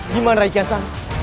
gimana rai kiasan